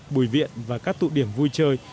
bùi viện và các tụ điểm vui chơi